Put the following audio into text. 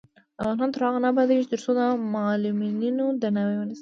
افغانستان تر هغو نه ابادیږي، ترڅو د معلولینو درناوی ونشي.